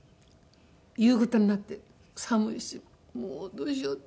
夕方になって寒いしもうどうしよう？